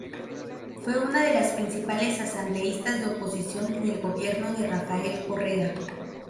Fue una de las principales asambleístas de oposición en el gobierno de Rafael Correa.